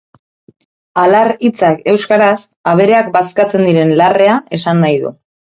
Alar hitzak euskaraz abereak bazkatzen diren larrea esan nahi du.